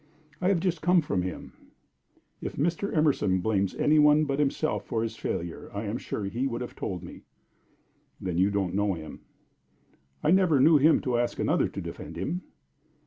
"I have just come from him." "If Mr. Emerson blames any one but himself for his failure, I am sure he would have told me." "Then you don't know him." "I never knew him to ask another to defend him."